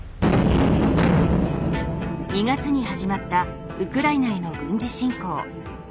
２月に始まったウクライナへの軍事侵攻。